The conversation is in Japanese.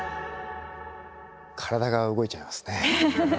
体が動いちゃいますね。